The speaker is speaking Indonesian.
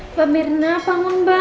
mba mirna bangun mba